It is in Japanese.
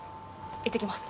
いってきます。